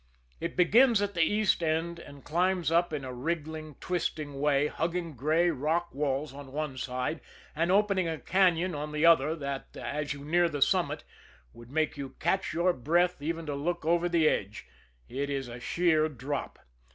It begins at the east end and climbs up in a wriggling, twisting way, hugging gray rock walls on one side, and opening a cañon on the other that, as you near the summit, would make you catch your breath even to look at over the edge it is a sheer drop.